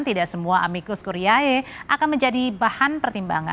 tidak semua amicus kuriaye akan menjadi bahan pertimbangan